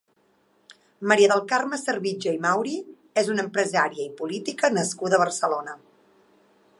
Maria del Carme Servitje i Mauri és una empresària i política nascuda a Barcelona.